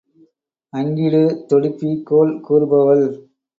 அங்கிடு தொடுப்பி கோள் கூறுபவள்.